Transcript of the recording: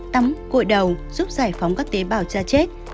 tắm cội đầu giúp giải phóng các tế bào cha chết